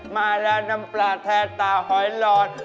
มาแล้วน้ำปลาแท้ตาหอยหลอด